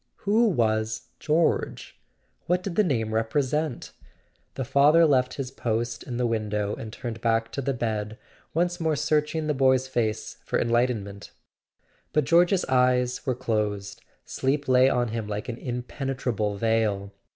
Who was "George"? What did the name represent? The father left his post in the window and turned back to the bed, once more searching the boy's face for en¬ lightenment. But George's eyes were closed: sleep lay on him like an impenetrable veil.